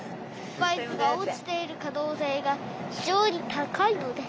「スパイスが落ちている可能性が非常に高いのです。